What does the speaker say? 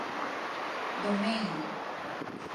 どめいん